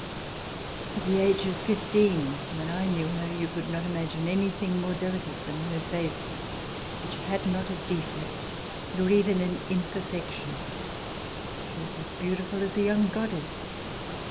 At the age of fifteen, when I knew her, you could not imagine anything more delicate than her face, which had not a defect nor even an unperfection. RECOLLECTIONS OF THE REVOLUTION She was as beautiful as a young goddess.